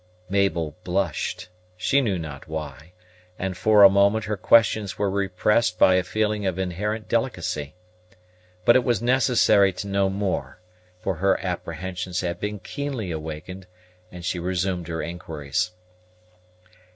Mabel blushed, she knew not why, and for a moment her questions were repressed by a feeling of inherent delicacy. But it was necessary to know more, for her apprehensions had been keenly awakened, and she resumed her inquiries.